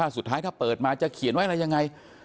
สุดท้ายถ้าเปิดมาจะเขียนไว้อะไรยังไง